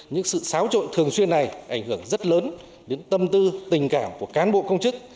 những sự xáo trộn thường xuyên này ảnh hưởng rất lớn đến tâm tư tình cảm của cán bộ công chức